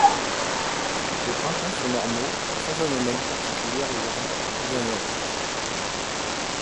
Les printemps sont normaux, sans anomalies particulières et varient d’une année à l’autre.